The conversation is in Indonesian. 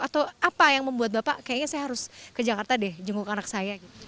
atau apa yang membuat bapak kayaknya saya harus ke jakarta deh jenguk anak saya gitu